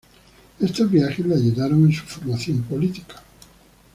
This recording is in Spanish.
Estos viajes la ayudaron en su formación política.